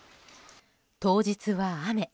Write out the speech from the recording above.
当日は雨。